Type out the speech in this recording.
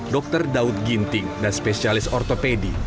dr daud ginting dan spesialis ortopedi